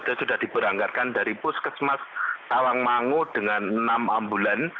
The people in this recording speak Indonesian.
ini sudah diperanggarkan dari puskesmas tawangmangu dengan enam ambulan